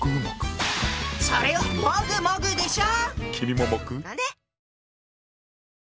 それはもぐもぐでしょ！